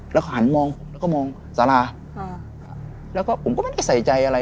แล้วก็หันมองผมแล้วก็มองสาราแล้วก็ผมก็ไม่ได้ใส่ใจอะไร